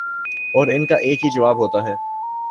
اور ان کا ایک ہی جواب ہوتا ہے